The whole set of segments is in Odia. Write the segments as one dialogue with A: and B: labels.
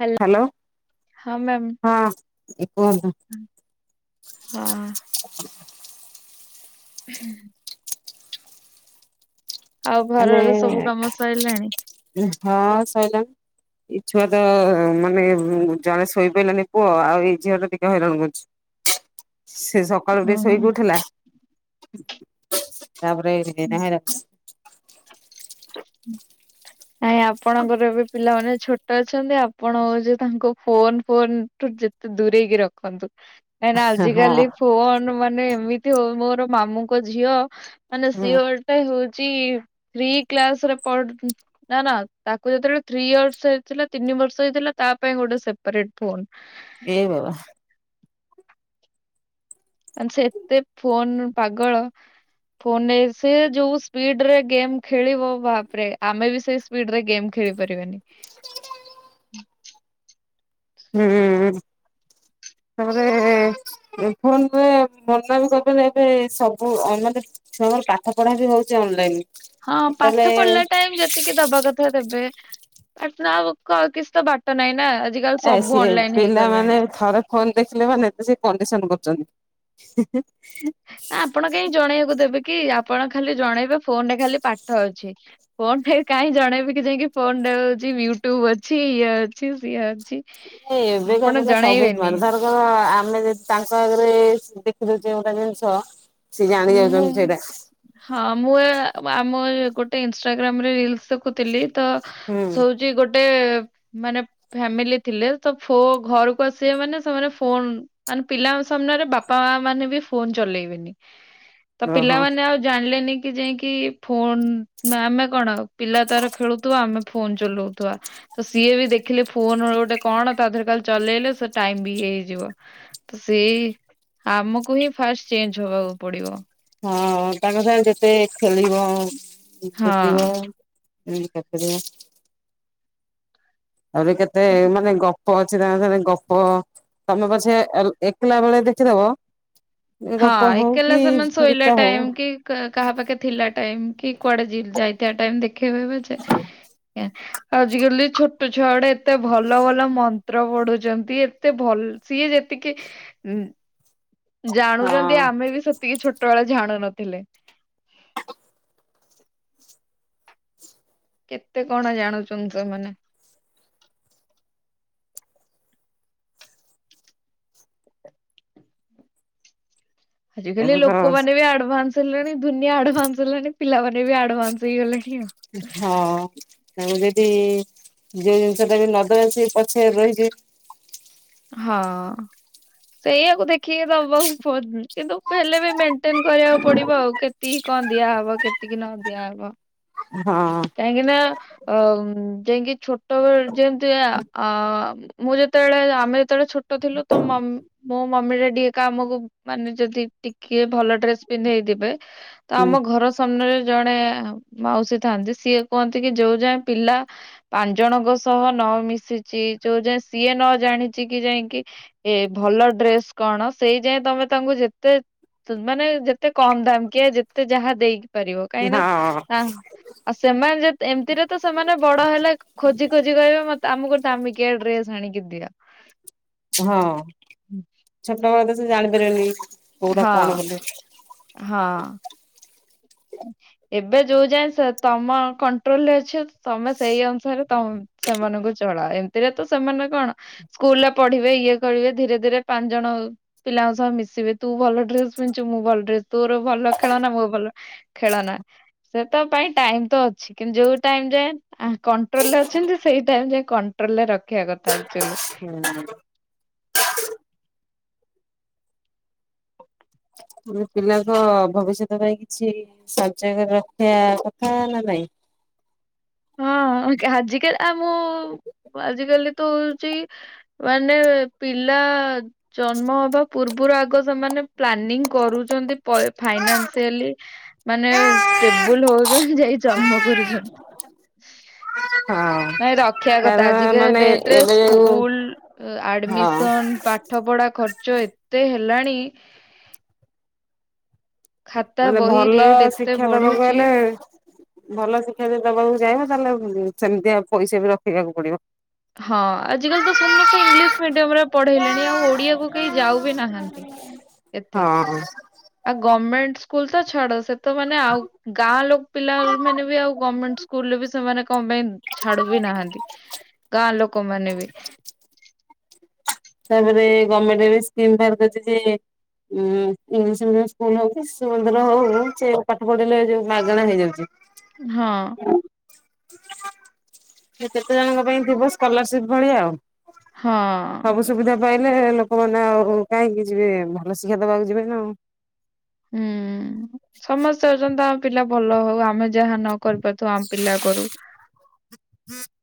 A: ହ୍ୟାଲୋ ହଁ ମ୍ୟାମ।
B: ହଁ କୁହନ୍ତୁ
A: ହଁ। ହୁଁ। ଆଉ
B: ହେଲେ
A: ଘରରେ ସବୁ କାମ ସରିଲାଣି।
B: ହଁ ସଇଲା। ଏଇ ଛୁଆ ତ ମାନେ ଜଣେ ଶୋଇପଇଲାନି ପୁଅ ଆଉ ଏଇ ଝିଅ ଟା ଟିକେ ହଇରାଣ କରୁଛି। ସେ ସବ ସକାଳୁ ବୁ
A: ଓହୋ।
B: ଶୋଇକି ଉଠିଲା ତାପରେ ଏଇ ଟିକେ ହଇରାଣ କରୁଚି।
A: ନାଇଁ ଆପଣଙ୍କର ଏବେ ପିଲାମାନେ ଛୋଟ ଛୋଟ ଅଛନ୍ତି ଆପଣ ହଉଛି ତାଙ୍କ ଫୋନ ଫୋନଠୁ ଯେତେ ଦୂରେଇକି ରଖନ୍ତୁ। କାହିଁନା
B: ହଁ
A: ଆଜିକାଲି ଫୋନ ମାନେ ଏମିତି ହଉ ମୋର ମାମୁଁଙ୍କ ଝିଅ। ମାନେ ସିଏ
B: ହୁଁ
A: ଗୋଟେ ହଉଛି ଥ୍ରୀ କ୍ଲାସରେ ପଢ଼ୁ ନା ନା ତାକୁ ଯେତେବେଳେ ଥ୍ରୀ ଇୟରର୍ସ ହେଇଥିଲା ତିନି ବର୍ଷ ହେଇଥିଲା ତା ପାଇଁ ଗୋଟେ ସେପାରେଟ ଫୋନ।
B: ଏ ବାବା।
A: ମାନେ ସେ ଏତେ ଫୋନ ପାଗଳ। ଫୋନରେ ସେ ଯୋଉ ସ୍ପିଡରେ ଗେମ ଖେଳିବ ବାପରେ ଆମେ ବି ସେଇ ସ୍ପିଡରେ ଗେମ୍ ଖେଳି ପାରିବାନି।
B: ହୁଁ ତାପରେ ଫୋନରେ ବନା ବି କରିଦେଲେ ଏବେ ସବୁ ଅ ମାନେ ଛୁଆଙ୍କର ପାଠ ପଢା ବି ହଉଛି ଅନଲାଇନ।
A: ହଁ
B: ତାହେଲେ
A: ପାଠ ପଢିଲା ଟାଇମ ଯେ ଟିକେ ଦବା କଥା ଦେବେ ନା ଆଉ କ କିଛି ତ ବାଟ ନାହିଁ ନା। ଆଜିକାଲି
B: ଏ
A: ସବୁ
B: ସିଏ
A: ଅନଲାଇନ ହେଇଗଲାଣି।
B: ପିଲାମାନେ ଥରେ ଫୋନ ଦେଖିଲେ ମାନେ ଏତେ ସେ କଣ୍ଡିସନ କରୁଛନ୍ତି।
A: ନା ଆପଣ କାହିଁ ଜଣେଇବାକୁ ଦେବେ କି ଆପଣ ଖାଲି ଜଣେଇବେ ଫୋନରେ ଖାଲି ପାଠ ଅଛି। ଫୋନ ଟେ କାହିଁ ଜଣେଇବ କି ଯାଇକି ଫୋନଟେ ହଉଛି ୟୁଟ୍ୟୁବ ଅଛି ଇଏ ଅଛି ସିଏ ଅଛି।
B: ଏ ଏବେ କା
A: ଆପଣ
B: ପିଲା ସବୁ
A: ଜଣେଇବେନି
B: ସ୍ମାର୍ଟ ତାର ତ ଆମେ ଯଦି ତାଙ୍କ ଆଗରେ ଦେଖିଦଉଛେ ଗୋଟେ ଜିନିଷ। ସେ ଜାଣି
A: ମୁଁ
B: ଯାଉଛନ୍ତି ସେଇଟା।
A: ହଁ ମୁଁ ଏ ଆମ ଗୋଟେ ଇନଷ୍ଟାଗ୍ରାମ ରେ ରିଲସ ଦେଖୁଥିଲି ତ ଗୋଟେ ମାନେ ଫ୍ୟାମିଲି ଥିଲେ ତ ଫୋ ଘରକୁ ଆସିବେ ମାନେ ସେମାନେ ଫୋନ ମାନେ ପିଲାଙ୍କ ସାମ୍ନାରେ ବାପା ମା ମାନେ ବି ଫୋନ ଚଲେଇବେନି। ତ
B: ଓହୋ।
A: ପିଲାମାନେ ଆଉ ଜାଣିଲେନି କି ଯାଇକି ଫୋନ ନା ଆମେ କଣ ପିଲା ତାର ଖେଳୁଥିବା ଆମେ ଫୋନ ଚଲଉଥିବା। ତ ସିଏ ବି ଦେଖିଲେ ଫୋନ ଗୋଟେ କଣ ତା ଦେହରେ ଖାଲି ଚଲେଇଲେ ସେ ଟାଇମ ବି ହେଇଯିବ। ତ ସେ ଆମକୁ ହିଁ ଫାଷ୍ଟ ଚେଞ୍ଜ ହବାକୁ ପଡିବ।
B: ହଁ ତାଙ୍କ ସାଙ୍ଗେ ଯେତେ ଖେଳିବ।
A: ହଁ
B: [unintelligible] [unintelligible] ଆହୁରି କେତେ ମାନେ ଗପ ଗପ ଅଛି ତାଙ୍କ ସାଙ୍ଗରେ ଗପ ତମେ ପଛେ ଏଲ ଏକଲା ବେଳେ ଦେଖିଦବ
A: ହଁ
B: ଗପ ହଉ
A: ଏକଲା
B: କି
A: ସେମାନେ
B: ଗୀତ
A: ଶୋଇଲା
B: ହଉ
A: ଟାଇମ କି କା କାହା ପାଖେ ଥିଲା ଟାଇମ କି କୁଆଡେ ଜି ଯାଇଥିବା ଟାଇମ ଦେଖିବେ ପଛେ ଆଜିକାଲି ଛୋଟ ଛୁଆ ଗୁଡେ ଏତେ ଭଲ ଭଲ ମନ୍ତ୍ର ପଢୁଛନ୍ତି। ଏତେ ଭଲ ସିଏ ଯେତିକି ଜାଣୁଛନ୍ତି
B: ହଁ
A: ଆମେ ବି ସେତିକି ଛୋଟ ବେଳେ ଜାଣୁ ନଥିଲେ। କେତେ କଣ ଜାଣୁଛନ୍ତି ସେମାନେ। ଆଜିକାଲି
B: ଏବେ ତ
A: ଲୋକମାନେ ବି ଆଡଭାନ୍ସ ହେଲେଣି ଦୁନିଆ ଆଡଭାନ୍ସ ହେଲାଣି ପିଲାମାନେ ବି ଆଡଭାନ୍ସ ହେଇଗଲେଣି ଆଉ।
B: ହଁ। ତାଙ୍କୁ ଯଦି ଯୋଉ ଜିନିଷ ଟା ବି ନଦେବା ସେ ପଛରେ ରହିଯିବେ
A: ହଁ ସେଇଆକୁ ଦେଖିକି ଦବାକୁ ପଡ, କିନ୍ତୁ ହେଲେ ବି ମେନ୍ ଟେନ୍ କରିବାକୁ ପଡିବ ଆଉ କେତିକି କଣ ଦିଆହବ କେତିକି ନ ଦିଆହବ।
B: ହଁ।
A: କାହିଁକି ନା ଅ ଯାଇକି ଛୋଟବେଳେ ଯେମିତି ଆ ମୁଁ ଯେତେବେଳେ ଆମେ ଯେତେବେଳେ ଛୋଟ ଥିଲୁ ତ ମମ୍ ମୋ ମମି, ଗାଡ଼ି ଏକା ଟିକେ ଆମକୁ ମାନେ ଯଦି ଟିକେ ଭଲ ଡ୍ରେସ ପିନ୍ଧେଇ ଦେବେ ତ
B: ହୁଁ
A: ଆମ ଘର ସାମ୍ନାରେ ଜଣେ ମାଉସୀ ଥାଆନ୍ତି ସିଏ କୁହନ୍ତି କି ଯୋଉ ଯାଏ ପିଲା ପାଞ୍ଚ ଜଣଙ୍କ ସହ ନ ମିଶିଛି, ଯୋଉ ଯାଏ ସିଏ ନ ଜାଣିଛି କି ଯାଇକି ଏ ଭଲ ଡ୍ରେସ କଣ ସେଇ ଯାଇଏ ତମେ ତାଙ୍କୁ ଯେତେ ମାନେ ଯେତେ କମ ଦାମିକିଆ ଯେତେ ଯାହା ଦେଇ ପାରିବ। କାହିଁକି
B: ହଁ।
A: ନା ଆଉ ସେମାନେ ଯଦି, ଏମିତିରେ ତ ସେମାନେ ବଡ ହେଲେ ଖୋଜି ଖୋଜି କହିବେ ମତେ ଆମକୁ ଦାମିକିଆ ଡ୍ରେସ ଆଣିକି ଦିଅ।
B: ହଁ, ଛୋଟବେଳ ତ ସେ ଜାଣି ପାରିବେନି କୋଉଟା
A: ହଁ
B: କଣ ବୋଲି।
A: ହଁ। ଏବେ ଯୋଉ ଯାଏ ତମ କଣ୍ଟ୍ରୋଲ ରେ ଅଛନ୍ତି ତମେ ସେଇ ଅନୁସାରେ ତମ ସେମାନଙ୍କୁ ଚଳା। ଏମିତିରେ ତ ସେମାନେ କଣ ସ୍କୁଲରେ ପଢିବେ, ଇଏ କରିବେ ଧୀରେ ଧୀରେ ପାଞ୍ଚ ଜଣ ପିଲାଙ୍କ ସହ ମିଶିବେ। ତୁ ଭଲ ଡ୍ରେସ ପିନ୍ଧଛୁ, ମୁଁ ଭଲ ଡ୍ରେସ, ତୋର ଭଲ ଖେଳନା, ମୋ ଭଲ ଖେଳନା। ସେଟା ପାଇଁ ଟାଇମ୍ ତ ଅଛି। କିନ୍ତୁ ଯୋଉ ଟାଇମ୍ ଯାଏ ଆ କଣ୍ଟ୍ରୋଲରେ ଅଛନ୍ତି, ସେଇ ଟାଇମ୍ ଯାଏ କଣ୍ଟ୍ରୋଲରେ ରଖିବା କଥା ଆକ୍ଚୁଆଲି।
B: ହୁଁ। ପିଲାଙ୍କ ଭବିଷ୍ୟତ ପାଇଁ କିଛି ସଜେଇକରି ରଖିଆ କଥା ନା ନାଇଁ!
A: ହଁ, ଆଜିିକାଲିଆ ମୁଁ-ଉଁ ଆଜିକାଲି ତ ହଉଛି। ମାନେ, ପିଲା-ଆ ଜନ୍ମ ହବା ପୂର୍ବରୁ ଆଗ ସେମାନେ ପ୍ଲାନିଂ କରୁଚନ୍ତି। ପୟେ ଫାଇନାନ୍ସିଆଲି ମାନେ ଷ୍ଟେବୁଲ୍ ହଉଛନି, ଯାଇ ଜନ୍ମ କରୁଛନ୍ତି।
B: [inaudible]
A: ନାଇଁ ରଖିଆ କଥା।
B: କାରଣ
A: ଆଜିକା
B: ମାନେ
A: ଡେଟ୍ ରେ
B: ଏବେ ଯୋଉ
A: ସ୍କୁଲ୍ ଆଡ୍
B: ହଁ
A: ମିସନ୍ ଏନ୍ ପାଠ ପଢା ଖର୍ଚ୍ଚ ଏତେ ହେଲାଣି! ଖାତା
B: ମାନେ
A: ବହି
B: ଭଲ-ଅ
A: ରେଟ ଏତେ
B: ଶିକ୍ଷା ଦବାକୁ
A: ବଢୁଛି।
B: ହେଲେ ଭଲ ଶିକ୍ଷା ଯଦି ଦବାକୁ ଚାହିଁବ, ତାହେଲେ ସେମିତିଆ ପଇସା ବି ରଖିବାକୁ ପଡିବ।
A: ହଁ, ଆଜ କାଲି ତ ସମସ୍ତେ ଇଂଲିଶ୍ ମିଡିୟମ୍ ରେ ପଢେଇଲେଣି। ଆଉ ଓଡିଆକୁ କେହି ଯାଉ ବି ନାହାଁନ୍ତି।
B: ହଁ।
A: ଆଉ ଗମେଣ୍ଟ ସ୍କୁଲ୍ ତ ଛାଡ! ସେ ତ ମାନେ ଆଉ ଗାଁ ଲୋକ ପିଲା ଅଲ୍ ମାନେ ବି ଆଉ ଗମେଣ୍ଟ ସ୍ ସ୍କୁଲ ରେ ବି ସେମାନେ କଣ ପାଇଁ ଛାଡୁ ବି ନାହାଁନ୍ତି? ହଁ ଲୋକମାନେ ବି
B: ତା'ପରେ ଗଭ୍ ମେଟେ ଏବେ ସ୍କିମ୍ ବାହାର କରିଛି ଯେ ଉଁ ଇଂଲିଶ୍ ମିଡିୟମ୍ ସ୍କୁଲ ହଉ କି, ଶିଶୁ ମନ୍ଦିର ହଉ, ସେ ପାଠ ପଢିଲେ ଯୋଉ ମାଗଣା ହେଇଯାଉଚି।
A: ହଁ।
B: ସେ କେତେ ଜଣଙ୍କ ପାଇଁ ଥିବ ସ୍କଲାରସିପ୍ ଭଳିଆ ଆଉ?
A: ହଁ-ଅଁ।
B: ସବୁ ସୁବିଧା ପାଇଲେ, ଲୋକମାନେ ଆଉ କାହିଁକି ଯିବେ, ଭଲ ଶିକ୍ଷା ଦବାକୁ ଯିବେନା ଆଉ।
A: ହୁଁ, ସମସ୍ତେ ହଉଛନ୍ତି ତା ପିଲା ଭଲ ହଉ। ଆମେ ଯେ ଯାହା ନ କରିପାରୁଥୁବ ଆମ ପିଲା କରୁ।
B: ହୁଁ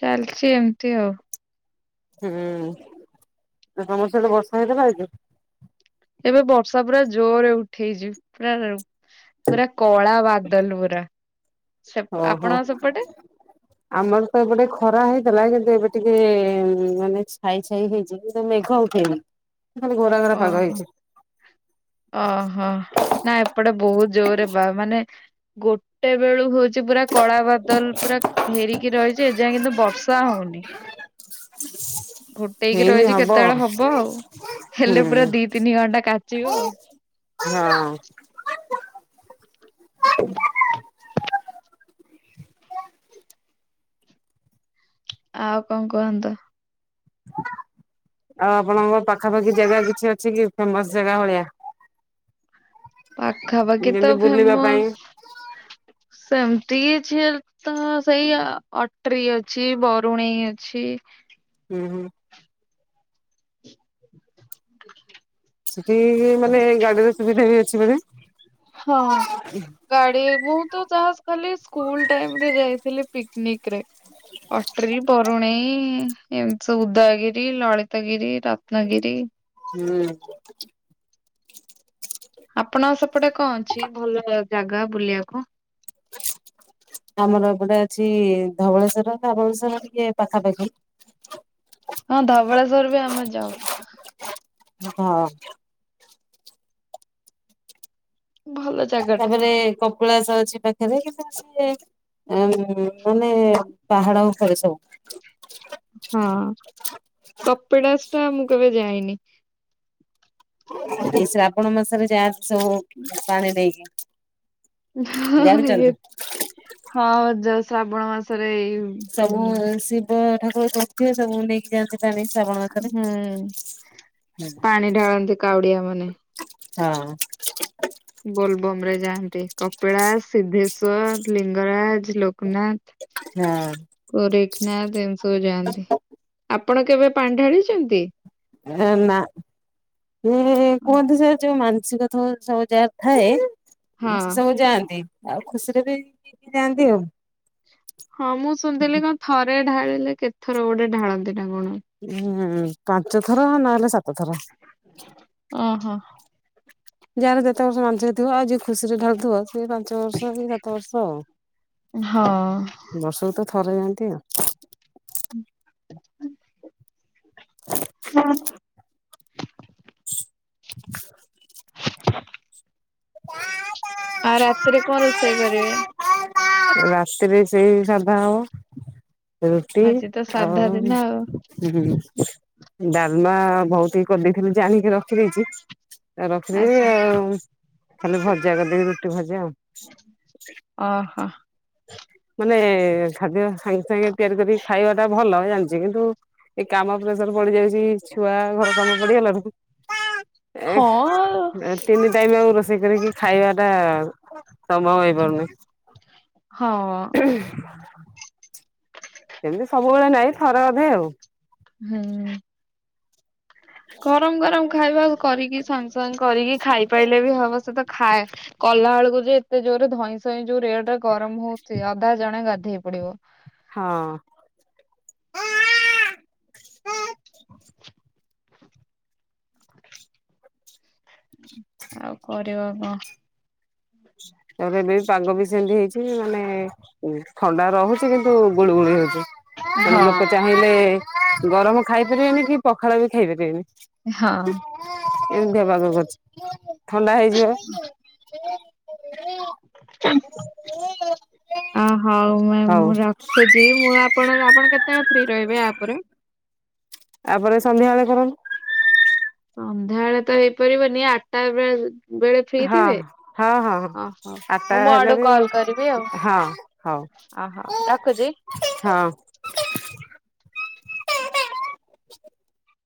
A: ଚାଲଚି ଏମିତି ଆଉ।
B: ହୁଁ, ତମର ସିଆଡେ ବର୍ଷା ହେଇଥିଲା ଆଜି?
A: ଏବେ ବର୍ଷା ପୁରା ଜୋର୍ ରେ ଉଠେଇଛି। ପୁରା ପୁରା କଳା ବାଦଲ ପୁରା। ସେପ୍
B: ଓହୋ।
A: ଆପଣଙ୍କ ସେପଟେ?
B: ଆମର ତ ଏପଟେ ଖରା ହେଇଥିଲା, କିନ୍ତୁ ଏବେ ଟିକେ-ଏ ମାନେ ଛାଇ ଛାଇ ହେଇଚି। କିନ୍ତୁ ମେଘ ଉଠେଇନି। ଖାଲି ଘୋରା ଘୋରା ପାଗ
A: ଓହୋ!
B: ହେଇଛି
A: ଓହୋ! ନା ଏପଟେ, ବହୁତ ଜୋର୍ ରେ ବା ମାନେ ଗୋଟେ ବେଳୁ ହଉ ଚି ପୁରା କଳା ବାଦଲ ପୁରା ଘେରିକି ରହିଛି। ଏଯାଏଁ କିନ୍ତୁ ବର୍ଷା ହଉନି। ଘୋଟେଇକି
B: ହେଇନି
A: ରହିଛି
B: ହବ
A: କେତେବେଳେ ହବ ଆଉ? ହେଲେ ପୁରା ଦି ତିନି ଘଣ୍ଟା କାଚିବ
B: ହୁଁ
A: ଆଉ।
B: ହଁ।
A: ଆଉ କଣ କୁହନ୍ତୁ?
B: [inaudible] ଆଉ ଆପଣଙ୍କ ପାଖାପାଖି ଜାଗା କିଛି ଅଛି କି, ଫେମସ୍ ଜାଗା ଭଳିଆ?
A: ପାଖାପାଖି ତ
B: ଯେମିତି ବୁଲିବା
A: ଫେମସ୍
B: [inaudible]
A: ସେମିତି କିଛିଏଲ୍ ତ ସେଇ ଅଟ୍ରି ଅଛି, ବରୁଣେଇ ଅଛି।
B: ହୁଁ, ହୁଁ।
A: ହ
B: ସେଠି ମାନେ ଗାଡିର ସୁବିଧା ବି ଅଛି ବଧେ?
A: ହଁ। ଗାଡି ମୁଁ ତ ଚାହା ଖାଲି ସ୍କୁଲ ଟାଇମରେ ଯାଇଥିଲି ପିକନିକରେ। ଅଟରୀ, ବରୁଣେଇ ଏମିତି ସ ଉଦୟଗିରି, ଲଳିତଗିରି ରତ୍ନଗିରି।
B: ହୁଁ।
A: ଆପଣ ସେପଟେ କଁ ଅଛି ଭଲ ଜାଗା ବୁଲିଆକୁ?
B: ହ ଆମର ଏପଟେ ଅଛି ଧବଳେଶ୍ଵର। ଧବଳେସ୍ଵର ଟିକେ ପାଖାପାଖି।
A: ହଁ ଧବଳେଶ୍ଵର ବି ଆମେ ଯାଉ।
B: ହଁ।
A: ଭଲ ଜାଗା ଟା।
B: ତାପରେ କପିଳାସ ଅଛି ପାଖରେ କିୁ ସ ଉ ମାନେ ପାହାଡ ଉପରେ ସବୁ।
A: ହଁ କପିଳାସ ଟା ମୁଁ କେବେ ଯାଇନି।
B: ଏ ଶ୍ରାବଣ ମାସରେ ଯାଆନ୍ତି ସବୁ ପାଣି ଦେଇକି।
A: ଇଏ ହଁ ଶ୍ରାବଣ ମାସରେ ଏଇ
B: ସବୁ
A: ହୁଁ।
B: ଶିବ ଠାକୁର କରଥିବେ ସବୁ ନେଇକି ଯାଆନ୍ତି ଶ୍ରାବଣ ମାସରେ।
A: ପାଣି ଢାଳନ୍ତି କାଉଡିଆ ମାନେ।
B: ହୁ ହଁ।
A: ବୋଲବମ ରେ ଯାଆନ୍ତି କପିଳାସ, ସିଦ୍ଧେଶ୍ଵର, ଲିଙ୍ଗରାଜ ଲୋକନାଥ।
B: ହଁ।
A: କୋରେଖନାଥ ଏମିତି ସବୁ ଯାଆନ୍ତି। ଆପଣ କେବେ ପାଣ୍ଢାଡିଛନ୍ତି?
B: ଏ ନା ଇଏ କୁହନ୍ତି ସ ଯୋଉ ମାନସିକ ଥ ସବୁ ଯାର ଥାଏ
A: ହଁ।
B: ସେ ସବୁ ଯାଆନ୍ତି ଆଉ ଖୁସିରେ ବିି ଯାଆନ୍ତି ଆଉ।
A: ହଁ ମୁଁ ଶୁଣିଥିଲି କଣ ଥରେ ଢାଳିଲେ କେଥର ଗୋଟେ ଢାଳନ୍ତି ନା କଣ।
B: ହୁଁ ପାଞ୍ଚ ଥର ନହେଲେ ସାତ ଥର।
A: ଓ ହୋ।
B: ଯାହାର ଯେତେ ବର୍ଷ ମାନସ ଥିବ ଆଉ ଯି ଖୁସି ରେ ଡାରୁଥିବ ସେ ପାଞ୍ଚ ପାଞ୍ଚ ବର୍ଷ କି ସାତ ବର୍ଷ ଆଉ।
A: ହଁ
B: ବର୍ଷକୁ ତ ଥରେ ଯାଆନ୍ତି ଆଉ।
A: ହଁ ଆଉ ରାତିରେ କଣ ରୋଷେଇ କରିବେ?
B: [unintelligible] ରାତିରେ ସେଇ ସାଧା ହବ। ରୁଟି
A: ଆଜି ତ
B: ଆଉ
A: ସାଧା ଦିନ ଆଉ
B: ହୁ ହୁଁ ଡାଲମା ବହୁତ ଇ କରିଦେଇଥିଲେି ଜାଣିକି ରଖିଦେଇଛି ରଖିଦି
A: ଆଚ୍ଛା
B: ଆଉ ଖାଲି ଭଜା କରିଦେବି ରୁଟି ଭଜା ଆଉ।
A: ଓ ହୋ।
B: ମାନେ ଖାଦ୍ୟ ସାଙ୍ଗେ ସାଙ୍ଗେ ତିଆରି କରିକି ଖାଇବା ଟା ଭଲ ଜାଣଚି। କିନ୍ତୁ ଏ କାମ ପ୍ରେସର ପଡି ଯାଉଚି ଛୁଆ ଘର କାମ ପଡିଗଲା ବେଳକୁ
A: ହଁ
B: ଏ ତିନି ଟାଇମ୍ ଆଉ ରୋଷେଇ କରିକି ଖାଇବା ଟା ସମ୍ଭବ ହେଇପାରୁନି।
A: ହଁ।
B: ଉହୁଁ। ସେମତି ସବୁବେଳେ ନାଇଁ ଥରେ ଅଧେ ଆଉ।
A: ହୁଁ।
B: [inaudible]
A: ଗରମ ଗରମ ଖାଇବା କରିକି ସାଙ୍ଗେ ସାଙ୍ଗେ କରିକି ଖାଇପାଇଲେ ବି ହବ ସେ ତ ଖାଏ। କଲା ବେଳକୁ ଯେ ଏତେ ଜୋର ରେ ଧଇଁ ସଇଁ ଯୋଉ ରେଟ୍ ରେ ଗରମ ହଉଚି ଅଧା ଜଣେ ଗାଧେଇ ପଡିବ।
B: ହଁ।
A: [inaudible] ଆଉ କରିବ କଁ।
B: ତାପରେ ଏବେ ବି ପାଗ ବି ସେମତି ହେଇଚି ମାନେ ଥଣ୍ଡା ରହୁ କିନ୍ତୁ ଗୁଳୁ ଗୁଳି ହଉଚି ମାନେ
A: ହଁ
B: ଲୋକ ଚା ନହଲେ ଗରମ ଖାଇପାରିବେନି କି ପଖାଳ ବି ଖାଇପାରିବେନି।
A: ହଁ।
B: ଏମତିଆ ପାଗ କରଚି ଥଣ୍ଡା ହେଇଯିବା।
A: [unintelligible] ଆ ହଉ ମାଇଁ
B: ହଉ।
A: ମୁଁ ର ଖୁଚି ମୁଁ ଆପଣଙ୍କ ଆପଣ କେତେବେଳେ ଫ୍ରି ରହିବେ ୟାପରେ।
B: ଆ ପରେ ସନ୍ଧ୍ୟାବେଳେ କରନ୍ତୁ।
A: ସନ୍ଧ୍ୟାବେଳେ ତ ହେଇପାରିବନି ଆଠଟା ବେଳେ ଯ ବେଳେ ଫ୍ରି
B: ହଁ
A: ଥିବେ।
B: ହଁ ହଁ ହଁ ଆଠଟା
A: ମୁଁ ମୋ
B: ହେଲେ
A: ଆଡୁ
B: ବି
A: କଲ୍ କରିବି ଆଉ।
B: ହଁ ହଉ
A: ଅହ ରଖୁଚି।
B: ହଁ।